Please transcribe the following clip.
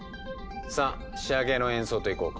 さあ仕上げの演奏といこうか。